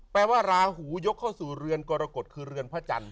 แปลว่าราหูยกเข้าสู่เรือนกรกฎคือเรือนพระจันทร์